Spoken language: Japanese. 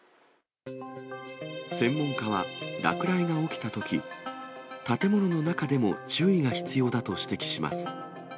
専門家は落雷の起きたとき、建物の中でも注意が必要だと指摘します。